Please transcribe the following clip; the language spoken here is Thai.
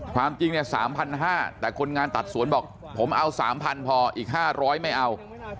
ความจริงเนี่ย๓๕๐๐แต่คนงานตัดสวนบอกผมเอา๓๐๐พออีก๕๐๐ไม่เอา